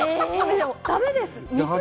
だめです。